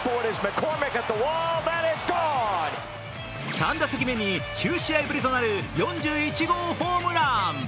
３打席目に９試合ぶりとなる４１号ホームラン。